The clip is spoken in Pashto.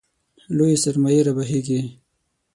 لویې سرمایې رابهېږي.